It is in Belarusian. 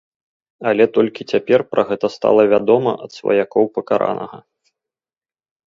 Але толькі цяпер пра гэта стала вядома ад сваякоў пакаранага.